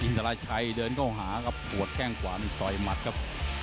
ตราชัยเดินเข้าหาครับหัวแข้งขวานี่ต่อยหมัดครับ